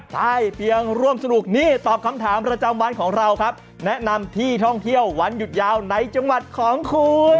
ใต้เตียงร่วมสนุกนี่ตอบคำถามประจำวันของเราครับแนะนำที่ท่องเที่ยววันหยุดยาวในจังหวัดของคุณ